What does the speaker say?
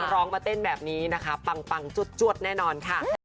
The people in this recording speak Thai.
ร้องมาเต้นแบบนี้นะคะปังจวดแน่นอนค่ะ